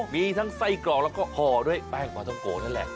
มีทั้งไส้กรอกแล้วก็ห่อด้วยแป้งปลาท้องโกนั่นแหละ